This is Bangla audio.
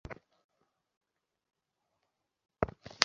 আমরা যাহা পাইবার যোগ্য, তাহাই পাইয়া থাকি।